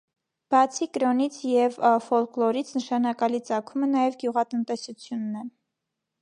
Բացի կրոնից և ֆոլկլորից նշանակալի ծագումը նաև գյուղատնտեսությունն է։